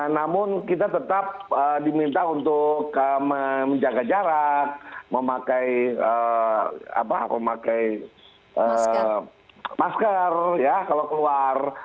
namun kita tetap diminta untuk menjaga jarak memakai masker ya kalau keluar